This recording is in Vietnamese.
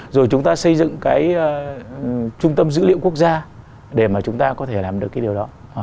rồi chúng ta xây dựng cái trung tâm dữ liệu quốc gia để mà chúng ta có thể làm được cái điều đó